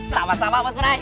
sama sama bos brai